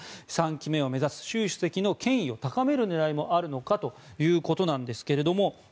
３期目を目指す習主席の権威を高める狙いもあるのかということなんですが